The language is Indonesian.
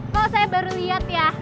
kok saya baru lihat ya